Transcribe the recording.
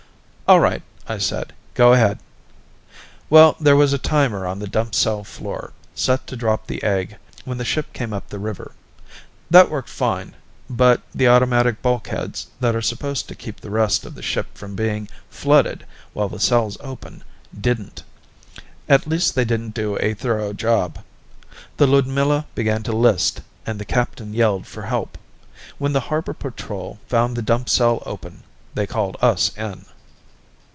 "All right," I said. "Go ahead." "Well, there was a timer on the dump cell floor, set to drop the egg when the ship came up the river. That worked fine, but the automatic bulkheads that are supposed to keep the rest of the ship from being flooded while the cell's open, didn't. At least they didn't do a thorough job. The Ludmilla began to list and the captain yelled for help. When the Harbor Patrol found the dump cell open, they called us in."